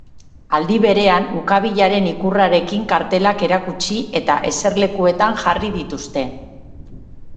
Aldi berean ukabilaren ikurrarekin kartelak erakutsi eta eserlekuetan jarri dituzte.